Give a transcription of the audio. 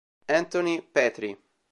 Anthony Petrie